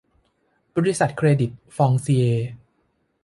บริษัทเครดิตฟองซิเอร์